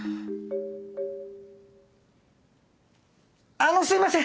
あのすいません！